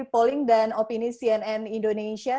polling dan opini cnn indonesia